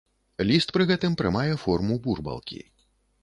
Ліст пры гэтым прымае форму бурбалкі.